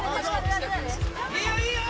いいよいいよ！